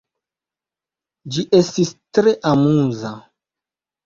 Ĝi estis tre amuza.